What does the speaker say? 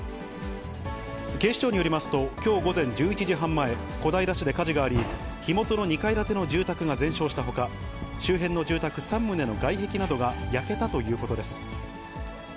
警視庁によりますと、きょう午前１１時半前、小平市で火事があり、火元の２階建ての住宅が全焼したほか、周辺の住宅３棟の外壁などが焼けたということです。